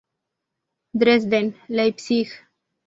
Dresden; Leipzig"